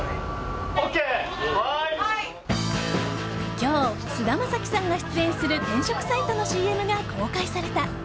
今日、菅田将暉さんが出演する転職サイトのＣＭが公開された。